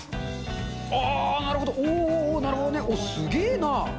あー、なるほど、おーおー、なるほどね。すげーな。